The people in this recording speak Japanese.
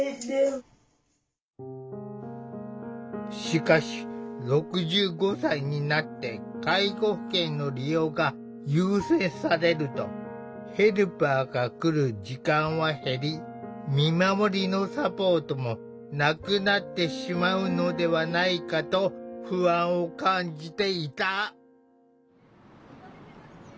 しかし６５歳になって介護保険の利用が優先されるとヘルパーが来る時間は減り「見守り」のサポートもなくなってしまうのではないかと不安を感じていた。